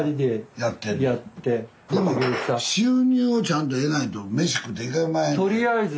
でも収入をちゃんと得ないと飯食っていけまへんで。